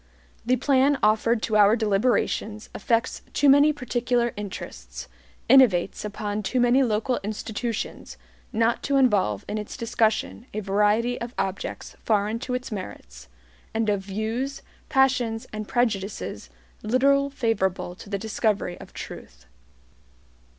The plan offered to our deliberations affects too many particular interests, innovates upon too many local institutions, not to involve in its discussion a variety of objects foreign to its merits, and of views, passions and prejudices little favorable to the discovery of truth.